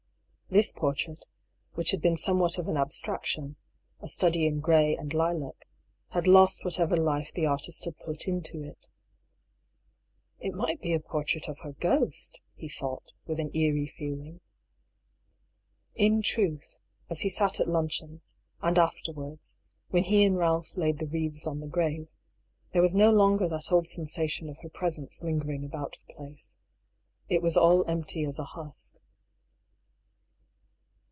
This portrait, which had been somewhat of an abstraction, a study in grey and lilac, had lost whatever life the artist had put into it. A DISAPPOINTMENT. 191 " It might be a portrait of her ghost," he thought, with an eerie feeling. In truth, as he sat at luncheon, and afterwards, when he and Ralph laid the wreaths on the grave, there was no longer that old sensation of her presence lingering about the place. It was all empty as a husk.